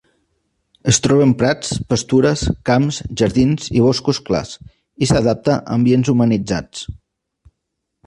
Es troba en prats, pastures, camps, jardins i boscos clars, i s'adapta a ambients humanitzats.